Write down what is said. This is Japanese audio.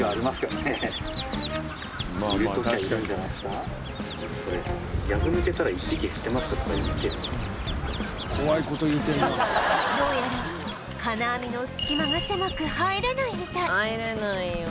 どうやら金網の隙間が狭く入れないみたい入れないよ。